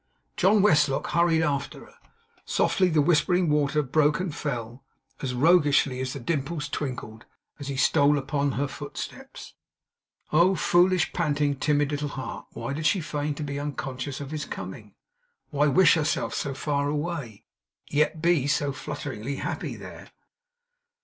John Westlock hurried after her. Softly the whispering water broke and fell; as roguishly the dimples twinkled, as he stole upon her footsteps. Oh, foolish, panting, timid little heart, why did she feign to be unconscious of his coming! Why wish herself so far away, yet be so flutteringly happy there!